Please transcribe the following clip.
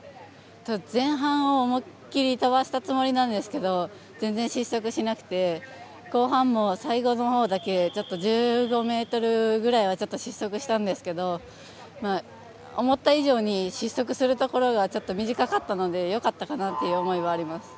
前半を思い切り飛ばしたつもりなんですけど全然失速しなくて後半も最後のほうだけちょっと１５ｍぐらいは失速したんですけど思った以上に失速するところが短かったのでよかったかなという思いはあります。